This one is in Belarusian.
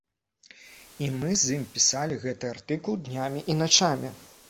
І мы з ім пісалі гэты артыкул днямі і начамі.